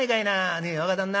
ねえ若旦那